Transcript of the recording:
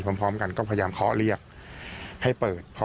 พร้อมกันก็พยายามเคาะเรียกให้เปิด